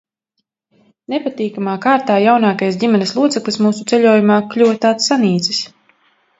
Nepatīkamā kārtā jaunākais ģimenes loceklis mūsu ceļojumā kļuva tāds sanīcis.